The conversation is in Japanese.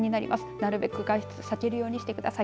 なるべく外出を避けるようにしてください。